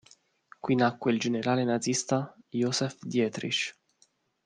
Qui nacque il generale nazista Josef Dietrich.